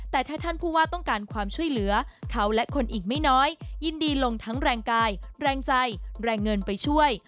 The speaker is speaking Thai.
แต่ถ้าท่านผู้ว่าต้องการความช่วยเหลือเขาและคนอีกไม่น้อยยินดีลงทั้งแรงกายแรงใจแรงเงินไปช่วย